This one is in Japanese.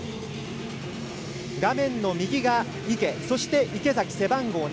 画面右が池そして、池崎は背番号７。